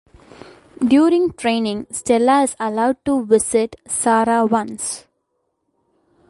During training Stella is allowed to visit Sarah once.